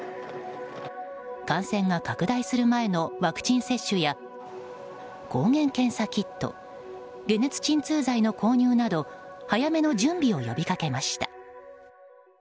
感染が拡大する前のワクチン接種や抗原検査キット解熱鎮痛剤の購入など早めの準備を呼びかけました。